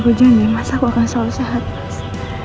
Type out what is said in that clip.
aku janji masa aku akan selalu sehat mas